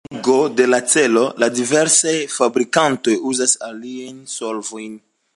Por markigo de la celo la diversaj fabrikantoj uzas aliajn solvojn.